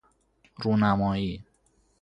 رونمایی